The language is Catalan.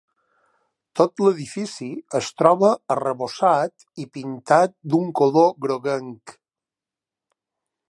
Tot l'edifici es troba arrebossat i pintat d'un color groguenc.